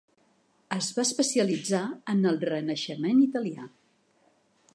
Es va especialitzar en el Renaixement italià.